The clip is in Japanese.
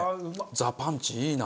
ザパンチいいな！